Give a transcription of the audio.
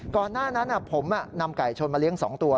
ก่อนหน้านั้นผมนำไก่ชนมาเลี้ยง๒ตัว